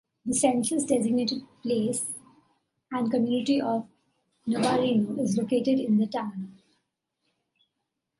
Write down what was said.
The census-designated place and community of Navarino is located in the town.